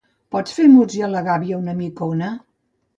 Pots fer muts i a la gàbia una micona?